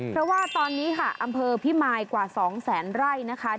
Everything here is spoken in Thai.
เพราะว่าตอนนี้ค่ะอำเภอพิมายกว่า๒แสนไร่นะคะ